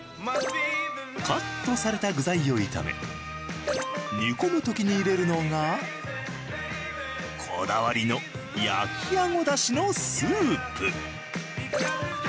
カットされた具材を炒め煮込む時に入れるのがこだわりの焼あごだしのスープ。